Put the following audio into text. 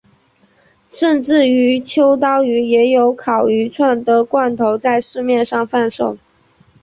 甚至于秋刀鱼也有烤鱼串的罐头在市面上贩售。